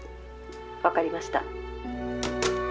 分かりました。